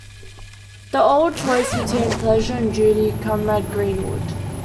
The old choice between pleasure and duty, Comrade Greenwood.